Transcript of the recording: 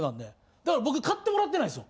だから僕買ってもらってないんすよ。